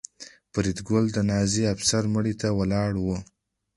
فریدګل د نازي افسر مړي ته ولاړ و